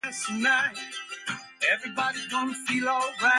Benson was not present for Bestwick's last show.